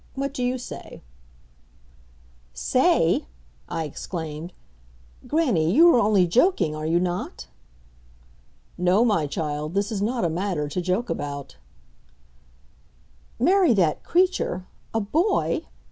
What do you say?" "Say," I exclaimed, "grannie, you are only joking, are you not?" "No, my child, this is not a matter to joke about." "Marry that creature! A boy!"